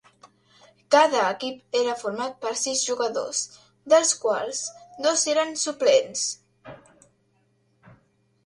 Cada equip era format per sis jugadors, dels quals dos eren suplents.